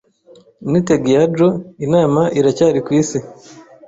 Ni Tegghiajo inama iracyari kwisi